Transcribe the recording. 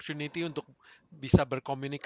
coninal maka tion selalu ke anak